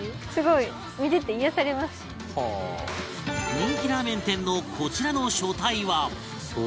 人気ラーメン店のこちらの書体は？